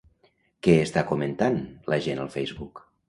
Què està comentant la gent al Facebook?